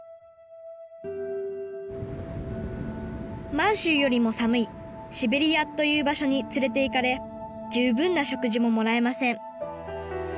満州よりも寒いシベリアという場所に連れていかれ十分な食事ももらえません。